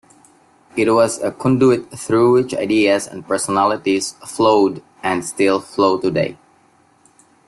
It was a conduit through which ideas and personalities flowed, and still flow today.